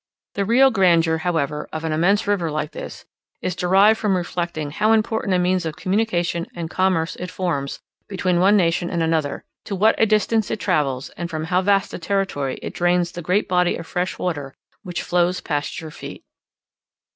The real grandeur, however, of an immense river like this, is derived from reflecting how important a means of communication and commerce it forms between one nation and another; to what a distance it travels, and from how vast a territory it drains the great body of fresh water which flows past your feet.